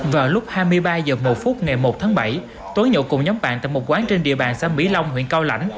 vào lúc hai mươi ba h một ngày một tháng bảy tuấn nhụ cùng nhóm bạn tại một quán trên địa bàn xã mỹ long huyện cao lãnh